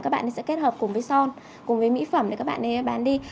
các bạn sẽ kết hợp cùng với son cùng với mỹ phẩm để các bạn ấy bán đi